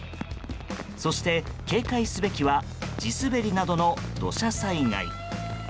そして、警戒すべきは地滑りなどの土砂災害。